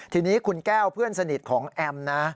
ทีนี้คุณแก้วเพื่อนสนิทของแอมนะ